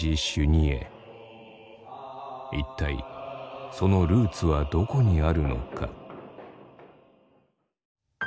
一体そのルーツはどこにあるのか。